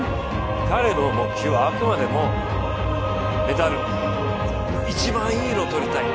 彼の目標は、あくまでもメダル、一番いい色取りたい。